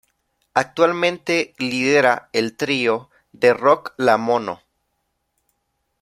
Actualmente lidera el trío de rock La Mono.